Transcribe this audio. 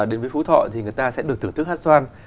đến với phú thọ thì người ta sẽ được thưởng thức hát xoan